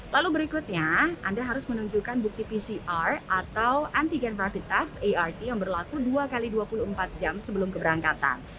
lalu berikutnya anda harus menunjukkan bukti pcr atau antigen rapid test art yang berlaku dua x dua puluh empat jam sebelum keberangkatan